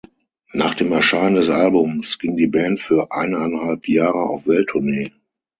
Nach dem Erscheinen des Albums ging die Band für eineinhalb Jahre auf Welttournee.